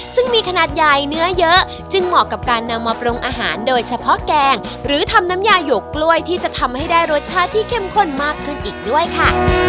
ซึ่งมีขนาดใหญ่เนื้อเยอะจึงเหมาะกับการนำมาปรุงอาหารโดยเฉพาะแกงหรือทำน้ำยาหยกกล้วยที่จะทำให้ได้รสชาติที่เข้มข้นมากขึ้นอีกด้วยค่ะ